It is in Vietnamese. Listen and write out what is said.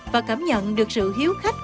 và cảm nhận được sự hiếu khách